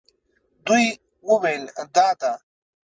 دوی وویل دا ده.